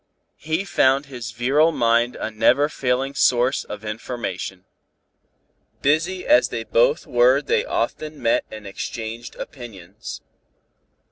He found his virile mind a never failing source of information. Busy as they both were they often met and exchanged opinions.